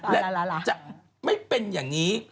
และจะไม่เป็นอย่างนี้